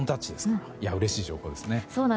うれしい情報ですね。